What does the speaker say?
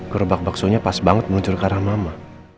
gerobak beksonya pas banget menunjuk ke arah mama